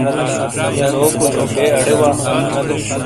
یلوکو چکے اڑے وا۔